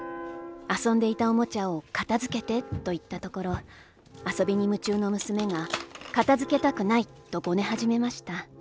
『遊んでいたおもちゃを片付けて』と言ったところ、遊びに夢中の娘が『片付けたくない』とゴネはじめました。